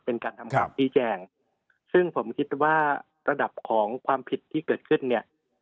เป็นการทำคำชี้แจงซึ่งผมคิดว่าระดับของความผิดที่เกิดขึ้นเนี่ย